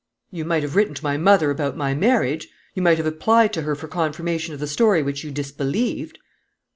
"You might have written to my mother about my marriage. You might have applied to her for confirmation of the story which you disbelieved."